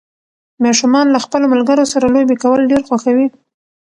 ماشومان له خپلو ملګرو سره لوبې کول ډېر خوښوي